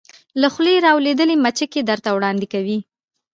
له خولې را لویدلې مچکې درته وړاندې کوې